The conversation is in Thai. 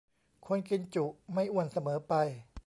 คนกินจุไม่อ้วนเสมอไป